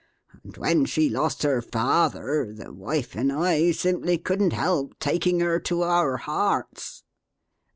And when she lost her father, the wife and I simply couldn't help taking her to our hearts."